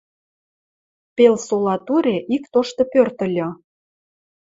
Пел сола туре ик тошты пӧрт ыльы.